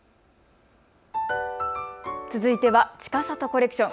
続いては、ちかさとコレクション。